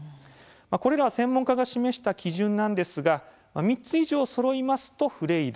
これらは専門家が示した基準なんですが３つ以上そろいますとフレイル。